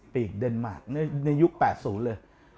ปีกเดนมาร์คในยุค๘๐เลย